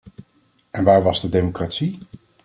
En waar was de democratie?